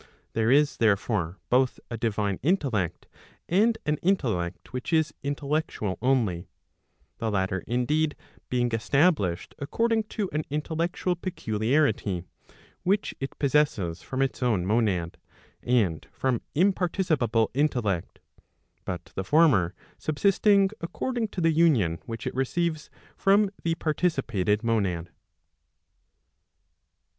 There is therefore both [a divine intellect, 1 ] and an intellect which is intellectual only ; the latter indeed, being established' according to an intellectual peculiarity, which it possesses from its own monad, and from imparticipable intellect; but the former subsisting according to the union which it receives from the participated monad.